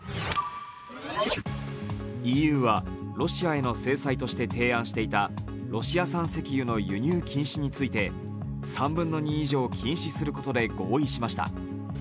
ＥＵはロシアへの制裁として提案していたロシア産石油の輸入禁止について３分の２以上禁止することで合意しました。